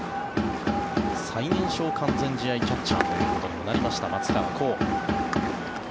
最年少完全試合キャッチャーということになりました松川虎生。